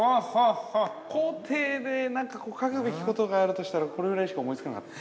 工程でなんかこう書くべきことがあるとしたら、これぐらいしか思いつかなかった。